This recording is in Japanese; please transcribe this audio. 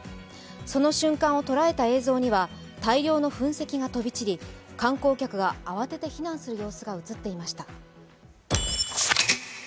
その瞬間を捉えた映像には大量の噴石が飛び散り観光客が慌てて避難する様子が映っていました。